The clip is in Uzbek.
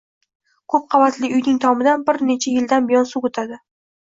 Ko‘p qavatli uyning tomidan bir necha yildan buyon suv o‘tadi.